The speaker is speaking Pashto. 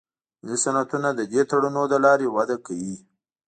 ملي صنعتونه د دې تړونونو له لارې وده کوي